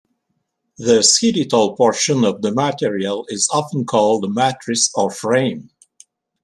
The skeletal portion of the material is often called the "matrix" or "frame".